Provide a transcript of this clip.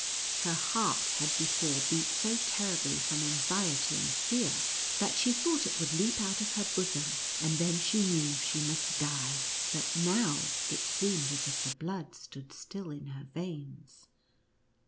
Her heart had before beat so terribly from anxiety and fear, that she thought it would leap out of her bosom, and then she knew she must die ; but now it seemed as if the blood stood still in her veins.